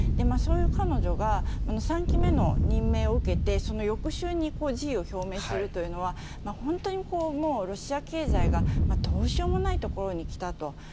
そういう彼女が３期目の任命を受けてその翌週に辞意を表明するというのは本当にもうロシア経済がどうしようもないところに来たと。